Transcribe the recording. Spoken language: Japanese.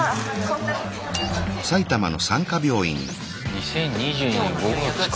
２０２２年５月か。